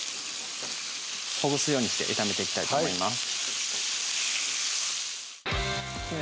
ほぐすようにして炒めていきたいと思います